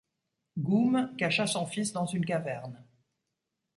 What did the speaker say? Goom cacha son fils dans une caverne.